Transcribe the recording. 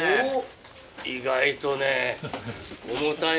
意外とね。